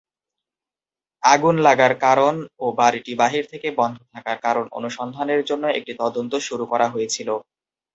আগুন লাগার কারণ ও বাড়িটি বাহির থেকে বন্ধ থাকার কারণ অনুসন্ধানের জন্য একটি তদন্ত শুরু করা হয়েছিল।